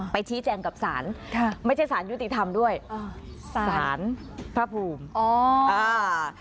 ไปชี้แจงกับศาลค่ะไม่ใช่สารยุติธรรมด้วยอ๋อสารพระภูมิอ๋ออ่า